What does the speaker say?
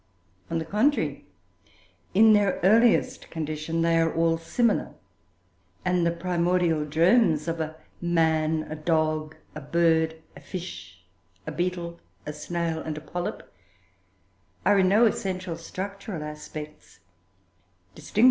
On the contrary, in their earliest condition they are all similar, and the primordial germs of a man, a dog, a bird, a fish, a beetle, a snail, and a polype are, in no essential structural respects, distinguishable.